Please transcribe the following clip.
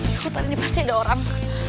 ya hutan ini pasti ada orang